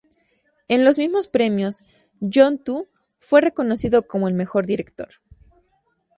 En los mismos premios, Johnnie To fue reconocido como el mejor director.